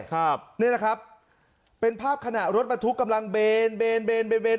ครับนี่แหละครับเป็นภาพขณะรถบรรทุกกำลังเบนเบนเบนเบนเวน